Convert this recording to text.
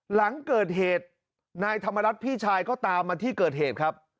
หลังเกิดเหตุนายธรรมรัฐพี่ชายก็ตามมาที่เกิดเหตุครับ